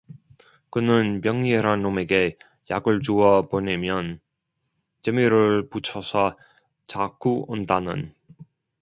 그는 병이란 놈에게 약을 주어 보내면 재미를 붙여서 자꾸 온다는